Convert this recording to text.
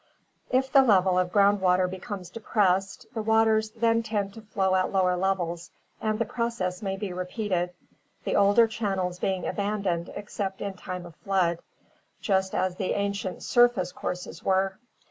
If the level of ground water becomes depressed, the waters then tend to flow at lower levels and the proc ess may be repeated, the older channels being abandoned except perhaps in time of flood, just as the ancient surface courses were.